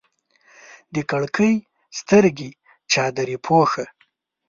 د کړکۍ سترګې چادرې پوښه